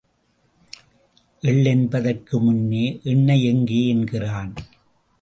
எள் என்பதற்கு முன்னே எண்ணெய் எங்கே என்கிறான்.